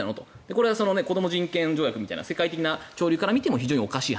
これはこども人権条約とか世界的な潮流から見ても非常におかしい。